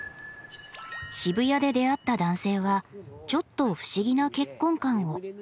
渋谷で出会った男性はちょっと不思議な結婚観を。